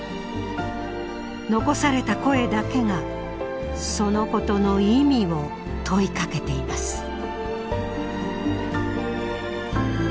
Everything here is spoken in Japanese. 遺された声だけがそのことの意味を問いかけています。